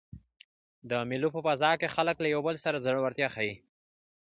د مېلو په فضا کښي خلک له یو بل سره زړورتیا ښيي.